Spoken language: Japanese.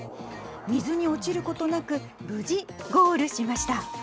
水に落ちることなく無事、ゴールしました。